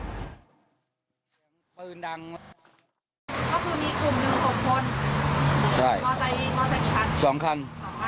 ก็คือมีกลุ่มหนึ่งหกคนใช่มอเตอร์ไซค์กี่พันสองคัน